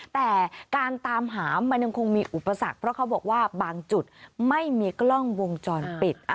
แต่การตามหามันยังคงมีอุปสรรคเพราะเขาบอกว่าบางจุดไม่มีกล้องวงจรปิด